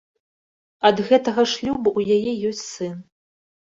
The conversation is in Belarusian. Ад гэтага шлюбу ў яе ёсць сын.